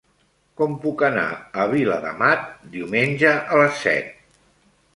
Com puc anar a Viladamat diumenge a les set?